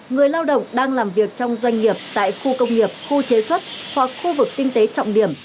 người lao động đang làm việc trong doanh nghiệp tại khu công nghiệp khu chế xuất hoặc khu vực kinh tế trọng điểm